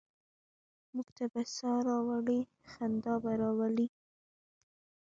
موږ ته به سا ه راوړي، خندا به راوړي؟